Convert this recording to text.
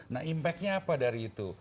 nah impactnya apa dari itu